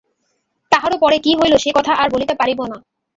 তাহারও পরে কী হইল সে কথা আর বলিতে পারিব না।